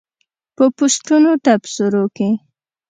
په پوسټونو تبصرو کې